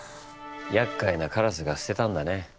やっかいなカラスが捨てたんだね。